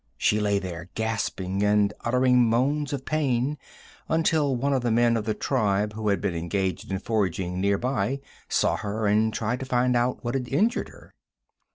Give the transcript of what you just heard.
She lay there, gasping, and uttering moans of pain, until one of the men of the tribe who had been engaged in foraging near by saw her and tried to find what had injured her.